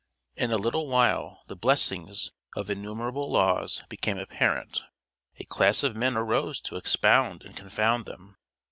In a little while the blessings of innumerable laws became apparent; a class of men arose to expound and confound them.